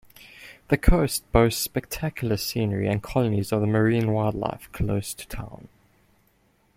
The coast boasts spectacular scenery and colonies of marine wildlife close to the town.